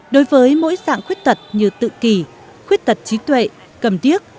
đối với mỗi dạng khuyết tật như tự kỳ khuyết tật trí tuệ cầm điếc